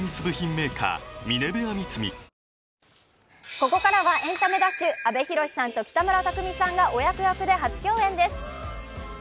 ここからは「エンタメダッシュ」阿部寛さんと北村匠海さんが親子役で初共演です。